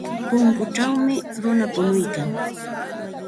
Punkuchawmi runa punuykan.